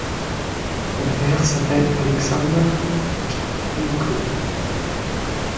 Son père s'appelle Alexander Pikhienko.